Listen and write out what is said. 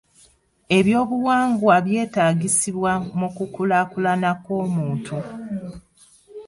Ebyobuwangwa byetaagisibwa mu kulaakulana kw'omuntu.